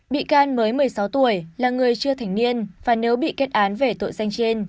bị can mới một mươi sáu tuổi là người chưa thành niên và nếu bị kết án về tội danh trên